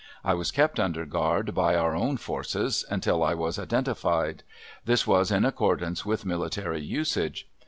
I was kept under guard by our own forces until I was identified. This was in accordance with military usage.